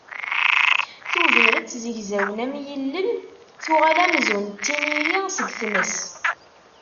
Tubiret zegzawen am yilel, tuɣal amzun d tiniri seg tmes